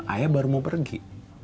ayah baru mau pergi